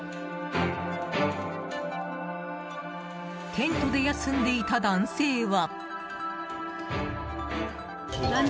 テントで休んでいた男性は。